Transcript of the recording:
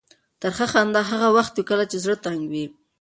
ترخه خندا هغه وخت وي کله چې زړه تنګ وي.